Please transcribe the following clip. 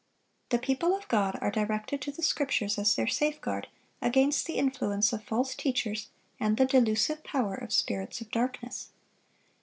(1028) The people of God are directed to the Scriptures as their safeguard against the influence of false teachers and the delusive power of spirits of darkness.